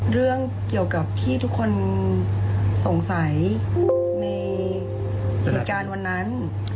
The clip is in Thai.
เรื่องเกี่ยวกับที่ทุกคนสงสัยในเหตุการณ์วันนั้น